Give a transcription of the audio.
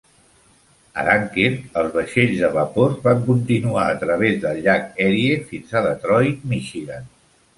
A Dunkirk, els vaixells de vapor van continuar a través del llac Erie fins a Detroit, Michigan.